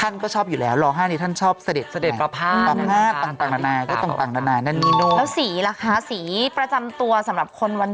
ท่านก็ชอบอยู่เเหลอรอห้านี้ท่านชอบเสด็จว่า